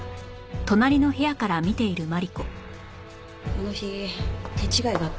あの日手違いがあったのよ。